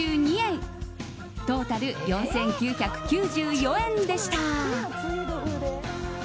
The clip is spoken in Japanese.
トータル、４９９４円でした。